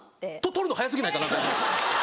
取るの早過ぎないかな。